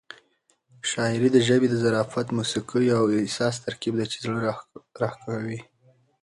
شاعري د ژبې د ظرافت، موسيقۍ او احساس ترکیب دی چې زړه راښکوي.